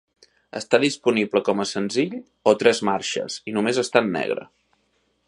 Està disponible com a senzill o tres marxes i només està en negre.